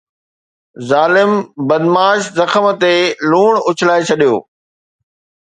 ظالم بدمعاش زخم تي لوڻ اڇلائي ڇڏيو